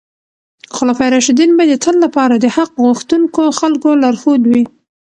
خلفای راشدین به د تل لپاره د حق غوښتونکو خلکو لارښود وي.